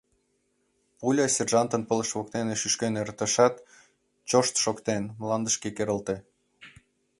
Пуля сержантын пылыш воктене шӱшкен эртышат, чошт шоктен, мландышке керылте.